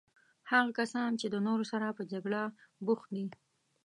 هغه کسان چې د نورو سره په جګړه بوخت دي.